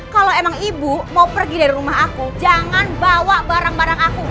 kalau emang ibu mau pergi dari rumah aku jangan bawa barang barang aku